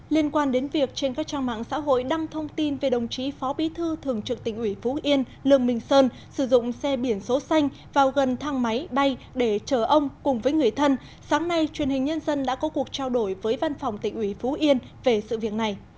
liên quan đến việc trên các trang mạng xã hội đăng thông tin về đồng chí phó bí thư thường trực tỉnh ủy phú yên lương minh sơn sử dụng xe biển số xanh vào gần thang máy bay để chở ông cùng với người thân sáng nay truyền hình nhân dân đã có cuộc trao đổi với văn phòng tỉnh ủy phú yên về sự việc này